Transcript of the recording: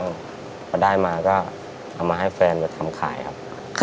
หากได้มาก็เอามาให้แฟนไปทำไข่ครับ